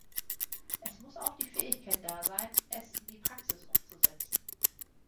Es muss auch die Fähigkeit da sein, es in die Praxis umzusetzen.